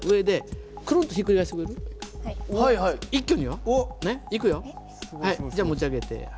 はいじゃあ持ち上げて。